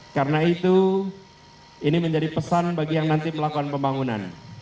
karena itu ini menjadi pesan bagi yang nanti melakukan pembangunan